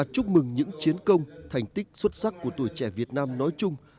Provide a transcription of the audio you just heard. chúc mừng những chiến công thành tích xuất sắc của tuổi trẻ việt nam nói chung